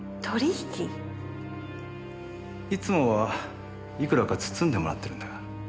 いつもはいくらか包んでもらってるんだが。